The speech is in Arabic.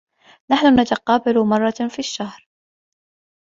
نحن نتقابل مرة في الشهر